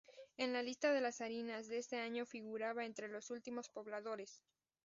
En la lista de las harinas de ese año figuraba entre los últimos pobladores.